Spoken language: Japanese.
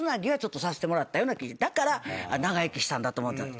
だから長生きしたんだと思った。